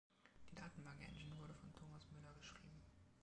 Die Datenbank-Engine wurde von Thomas Mueller geschrieben.